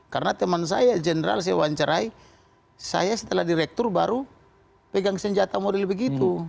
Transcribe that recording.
karena teman saya jenderal saya wancarai saya setelah direktur baru pegang senjata model begitu